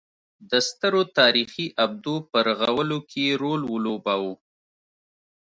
د سترو تاریخي ابدو په رغولو کې یې رول ولوباوه.